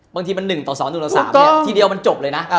บางทีมัน๑ต่อ๒๑ต่อ๓เนี่ยทีเดียวมันจบเลยนะ